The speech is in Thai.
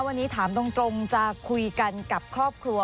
วันนี้ถามตรงจะคุยกันกับครอบครัว